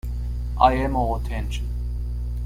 I am all attention.